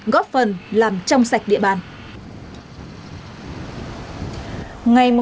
góp phần làm trong sạch địa bàn